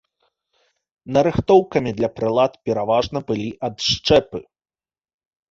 Нарыхтоўкамі для прылад пераважна былі адшчэпы.